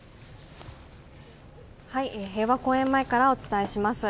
平和公園前からお伝えします。